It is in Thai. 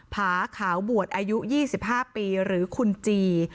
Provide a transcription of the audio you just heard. ผาขาวบวชอายุ๒๕ปีหรือคุณจี